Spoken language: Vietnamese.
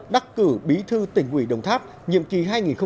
đắc cử bí thư tỉnh ủy đồng tháp nhiệm kỳ hai nghìn hai mươi hai nghìn hai mươi năm